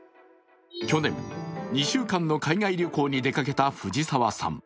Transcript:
去年、２週間の海外旅行に出かけたふじさわさん。